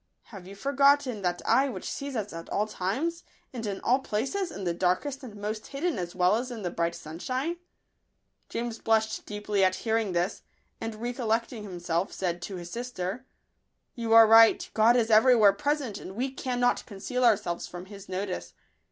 Have you forgotten that Eye which sees us at all times, and in all places, in the darkest and most hidden as well as in the bright sunshine ?" James blushed deeply at 69 Digitized by Google hearing this ; and recollecting himself, said to his sister, " You are right : God is every where present, and we cannot conceal our selves from His notice.